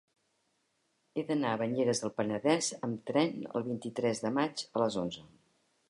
He d'anar a Banyeres del Penedès amb tren el vint-i-tres de maig a les onze.